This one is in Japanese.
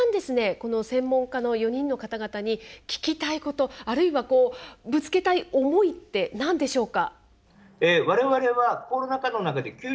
この専門家の４人の方々に聞きたいこと、あるいはぶつけたい思いってなんでしょうか。